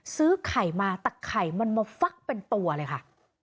ซื้อไข่มาแต่ไข่มันมาฟักเป็นตัวเลยค่ะ